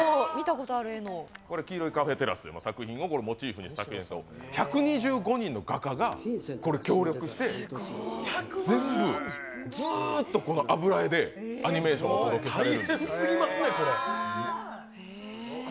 これ、「黄色いカフェテラス」という作品をモチーフにして１２５人の画家が協力して全部、ずっとこの油絵でアニメーションを作ってるんです。